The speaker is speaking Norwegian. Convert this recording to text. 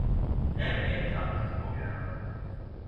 Eg blir betatt av språket i denne boka.